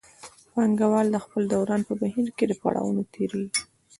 پانګوال د خپل دوران په بهیر کې له پړاوونو تېرېږي